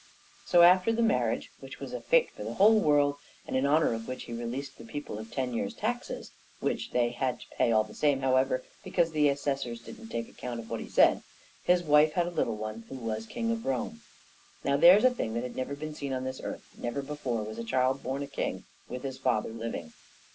So after the marriage, which was a fête for the whole world, and in honour of which he released the people of ten years' taxes which they had to pay all the same, however, because the assessors didn't take account of what he said his wife had a little one, who was King of Rome. Now, there's a thing that had never been seen on this earth; never before was a child born a king with his father living.